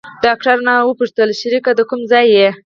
ډاکتر رانه وپوښتل شريکه د کوم ځاى يې.